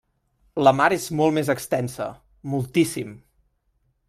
La mar és molt més extensa, moltíssim!